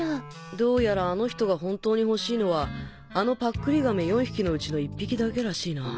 どうやらあの人が本当に欲しいのはあのパックリ亀４匹のうちの１匹だけらしいな。